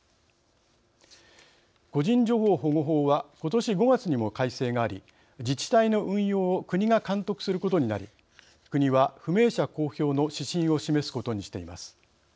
個人情報保護法はことし５月にも改正があり自治体の運用を国が監督することになり国は不明者公表の指針を示すことにしています。